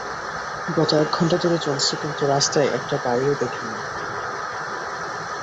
গত এক ঘন্টা ধরে চলছি কিন্তু রাস্তায় একটা গাড়িও দেখিনি।